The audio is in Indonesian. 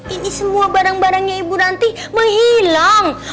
ini semua barang barangnya ibu nanti menghilang